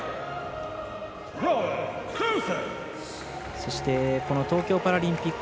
そして東京パラリンピック